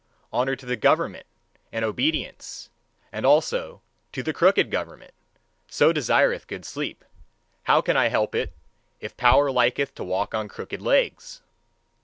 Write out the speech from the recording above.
Honour to the government, and obedience, and also to the crooked government! So desireth good sleep. How can I help it, if power like to walk on crooked legs?